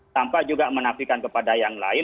tanpa juga menafikan kepada yang lain